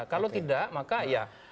kalau tidak maka ya